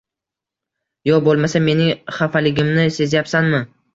Yo bo‘lmasa mening xafaligimni sezyapsanmi?